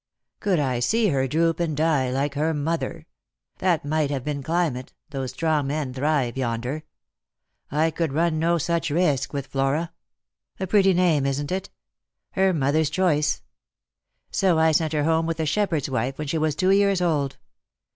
" Could I see her droop and die like her mother. That might have been climate, though strong men thrive yonder. I could Lost for Love. 13 run no such risk with Flora — a pretty name, isn't it? her mother's choice ; so I sent her home with a shepherd's wife, when she was two years old.